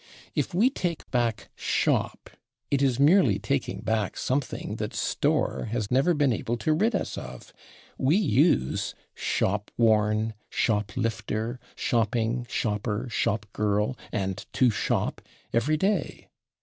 If we take back /shop/ it is merely taking back something that /store/ has never been able to rid us of: we use /shop worn/, /shoplifter/, /shopping/, /shopper/, /shop girl/ and /to shop/ every day.